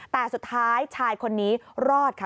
แต่สุดท้ายชายคนนี้รอดค่ะ